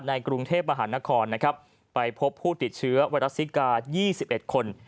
ในกรุงเทพมหานครไปพบผู้ติดเชื้อวาลัสซิกา๒๑คน